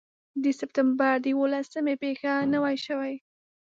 د سپټمبر د یوولسمې پېښه نه وای شوې.